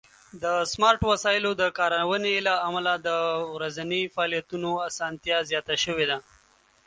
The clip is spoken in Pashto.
د سمارټ وسایلو د کارونې له امله د ورځني فعالیتونو آسانتیا زیاته شوې ده.